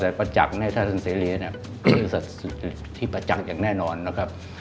แต่ประจักษ์ในท่านศิริเนี่ยเนี่ยคือซัตว์สุจริตที่ประจักษ์อย่างแน่นอนนะครับ